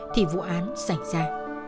thì vụ án sảnh ra